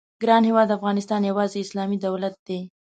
ګران هېواد افغانستان یو اسلامي دولت دی.